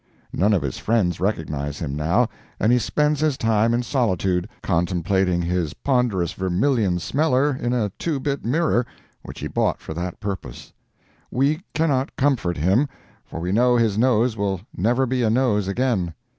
None of his friends recognize him now, and he spends his time in solitude, contemplating his ponderous vermillion smeller in a two bit mirror, which he bought for that purpose. We cannot comfort him, for we know his nose will never be a nose again.